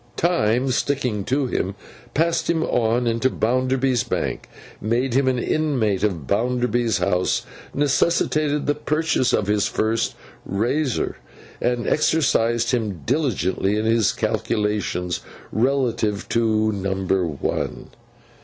Time, sticking to him, passed him on into Bounderby's Bank, made him an inmate of Bounderby's house, necessitated the purchase of his first razor, and exercised him diligently in his calculations relative to number one.